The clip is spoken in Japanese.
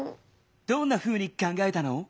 どんなふうにかんがえたの？